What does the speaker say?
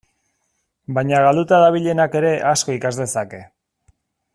Baina galduta dabilenak ere asko ikas dezake.